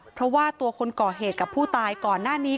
เพราะว่าตัวคนก่อเหตุกับผู้ตายก่อนหน้านี้